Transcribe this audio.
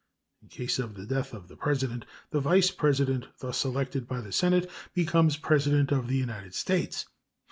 In case of the death of the President, the Vice President thus elected by the Senate becomes President of the United States.